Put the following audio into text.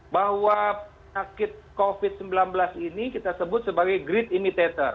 bahwa penyakit covid sembilan belas ini kita sebut sebagai great imitator